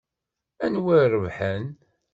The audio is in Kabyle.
Anwa i irebḥen?